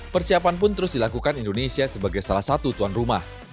persiapan pun terus dilakukan indonesia sebagai salah satu tuan rumah